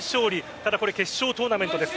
ただ、決勝トーナメントです。